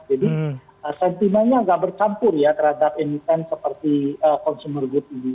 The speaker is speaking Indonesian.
jadi sentimennya agak bercampur ya terhadap event seperti consumer good ini